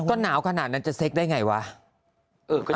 ก็หนาวขนาดนั้นจะเซ็กได้ไงวะ